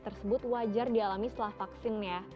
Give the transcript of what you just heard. tersebut wajar dialami setelah vaksinnya